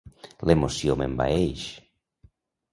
L'emoció m'envaeix.